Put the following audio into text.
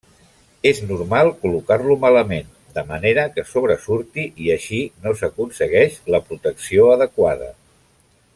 És normal col·locar-lo malament, de manera que sobresurti, i així no s'aconsegueix la protecció adequada.